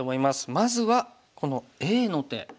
まずはこのＡの手。